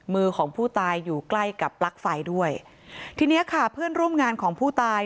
มือของผู้ตายอยู่ใกล้กับปลั๊กไฟด้วยทีเนี้ยค่ะเพื่อนร่วมงานของผู้ตาย